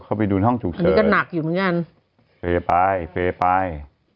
ไปดูห้องฉุกเฉินนี่ก็หนักอยู่เหมือนกันเปย์ไปเฟย์ไป